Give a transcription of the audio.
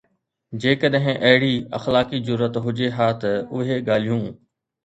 جيڪڏهن اهڙي اخلاقي جرئت هجي ها ته اهي ڳالهيون